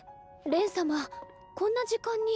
恋様こんな時間に。